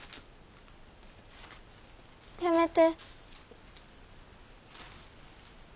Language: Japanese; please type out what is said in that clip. やめて。